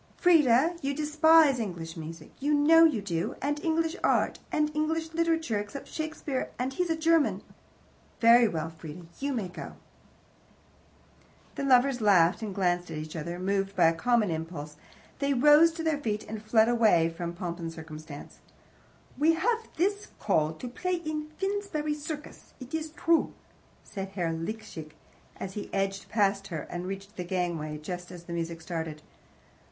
"Frieda, you despise English music. You know you do. And English art. And English Literature, except Shakespeare and he's a German. Very well, Frieda, you may go." The lovers laughed and glanced at each other. Moved by a common impulse, they rose to their feet and fled from POMP AND CIRCUMSTANCE. "We have this call to play in Finsbury Circus, it is true," said Herr Liesecke, as he edged past her and reached the gangway just as the music started.